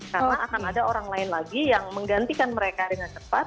karena akan ada orang lain lagi yang menggantikan mereka dengan cepat